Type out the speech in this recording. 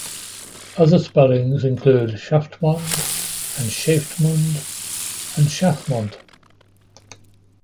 Other spellings include schaftmond and scaeftemunde, and shathmont.